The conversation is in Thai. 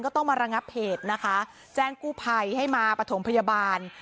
ต้องมาระงับเหตุนะคะแจ้งกู้ภัยให้มาปฐมพยาบาล